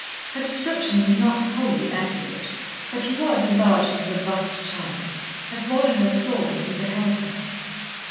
Her description was not wholly accurate, but he was a large and robust child, as Walderhurst saw when he beheld him.